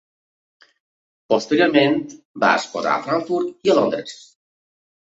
Posteriorment, va exposar a Frankfurt i a Londres.